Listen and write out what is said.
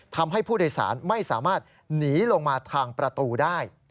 ทำให้ผู้โดยสารไม่สามารถหนีลงมาทางประตูได้